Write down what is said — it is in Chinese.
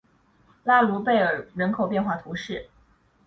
拉卢贝尔人口变化图示